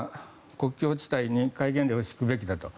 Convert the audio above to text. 国境地帯に戒厳令を敷くべきだと。